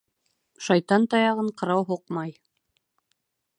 Шайтан таяғын ҡырау һуҡмай.